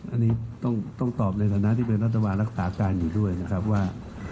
อันนี้ต้องตอบในฐานะที่เป็นรัฐบาลรักษาการอยู่ด้วยนะครับว่า